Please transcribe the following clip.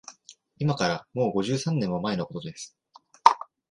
いまから、もう五十三年も前のことです